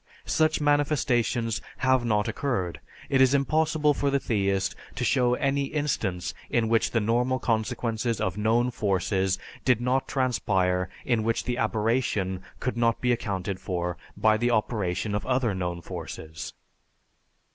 Such manifestations have not occurred. It is impossible for the theist to show any instance in which the normal consequences of known forces did not transpire in which the aberration could not be accounted for by the operation of other known forces.